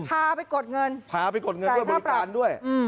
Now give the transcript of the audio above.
พาไปกดเงินจ่ายค่าปรับพาไปกดเงินบริการด้วย